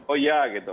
oh ya gitu